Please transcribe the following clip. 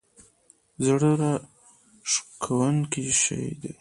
زړه راښکونکی شی دی.